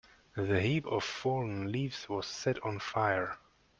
The heap of fallen leaves was set on fire.